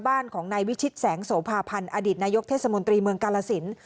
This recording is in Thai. บ้านของนายวิชิตแสงโสภาพันธ์อดีตนายกเทศมนตรีเมืองกาลสิน